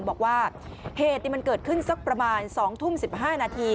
บอกว่าเหตุมันเกิดขึ้นสักประมาณ๒ทุ่ม๑๕นาที